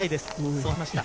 そう話しました。